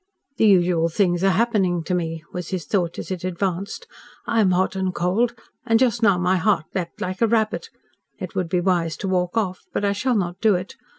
"The usual things are happening to me," was his thought as it advanced. "I am hot and cold, and just now my heart leaped like a rabbit. It would be wise to walk off, but I shall not do it.